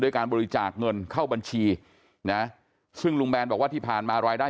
การบริจาคเงินเข้าบัญชีนะซึ่งลุงแบนบอกว่าที่ผ่านมารายได้